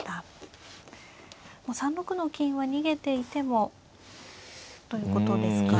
３六の金は逃げていてもということですか。